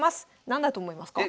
何だと思いますか？